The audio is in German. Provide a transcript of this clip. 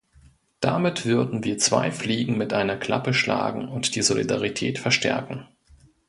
Damit würden wir zwei Fliegen mit einer Klappe schlagen und die Solidarität verstärken.